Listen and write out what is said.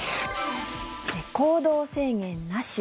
行動制限なし。